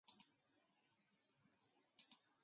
鴨川の美を語ったり、四方の山水の美を話したりする